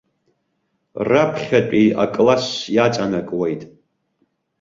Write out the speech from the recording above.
Раԥхьатәи акласс иаҵанакуеит.